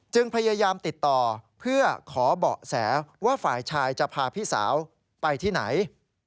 พยายามติดต่อเพื่อขอเบาะแสว่าฝ่ายชายจะพาพี่สาวไปที่ไหน